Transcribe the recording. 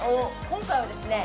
今回はですね